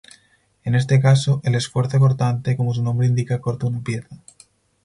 En este caso, el esfuerzo cortante, como su nombre indica, corta una pieza.